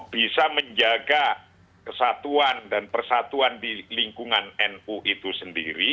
bisa menjaga kesatuan dan persatuan di lingkungan nu itu sendiri